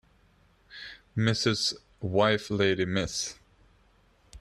Mrs. wife lady Miss